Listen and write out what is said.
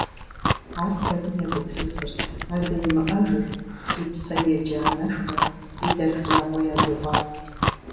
Ар куэдым егупсысырт: адэ имыӀэжыр, и псэ еджэ анэшхуэр, и дэлъху закъуэ ядыгъуар.